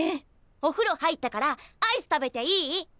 おふろ入ったからアイス食べていい？